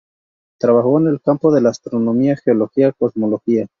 Trabajó en el campo de la astronomía, geología, cosmología.